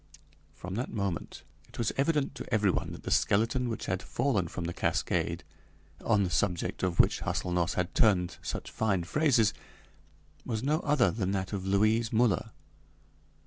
From that moment it was evident to everyone that the skeleton which had fallen from the cascade, on the subject of which Hâselnoss had turned such fine phrases, was no other than that of Louise Müller.